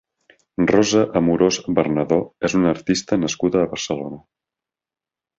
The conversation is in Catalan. Rosa Amorós Bernadó és una artista nascuda a Barcelona.